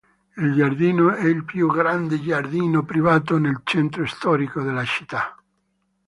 Il giardino è il più grande giardino privato nel centro storico della città.